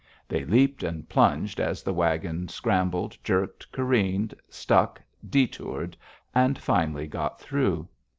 They leaped and plunged as the wagon scrambled, jerked, careened, stuck, détoured, and finally got through.